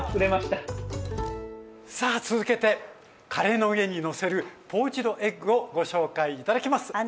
さあ続けてカレーの上にのせるポーチドエッグをご紹介頂きます。